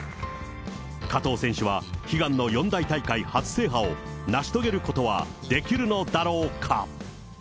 加藤選手は、悲願の四大大会初制覇を成し遂げることはできるのだろうか。